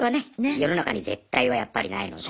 世の中に「絶対」はやっぱりないので。